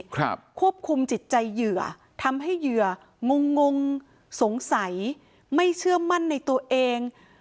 ควบคุมจิตใจเหยื่อทำให้เหยื่องงงงงสงสัยไม่เชื่อมั่นในตัวเอง